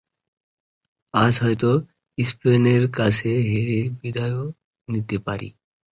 আজ হয়তো স্পেনের কাছে হেরে বিদায়ও নিতে পারি।